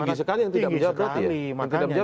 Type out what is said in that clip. tinggi sekali yang tidak menjawab berarti ya